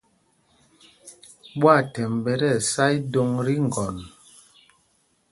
Ɓwâthɛmb ɓɛ tíɛsá ídôŋ tí ŋgɔn.